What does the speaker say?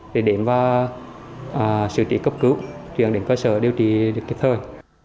để điểm và sự trị cấp cứu truyền đến cơ sở điều trị kịp thời